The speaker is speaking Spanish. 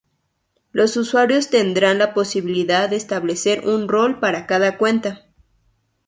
Los usuarios tendrán la posibilidad de establecer un "rol" para cada cuenta.